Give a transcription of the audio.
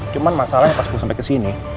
cuma masalahnya pas gue sampai kesini